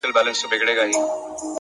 اخلاص د نیت پاکوالی څرګندوي